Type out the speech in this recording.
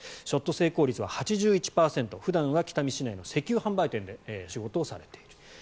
ショット成功率は８１％普段は北見市内の石油販売店で仕事をされている。